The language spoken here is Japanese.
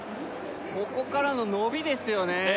ここからののびですよね